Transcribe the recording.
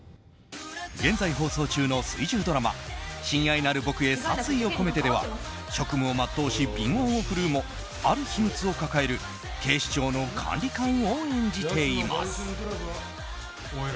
現在放送中の水１０ドラマ「親愛なる僕へ殺意をこめて」では職務を全うし敏腕を振るうもある秘密を抱える警視庁の管理官を演じています。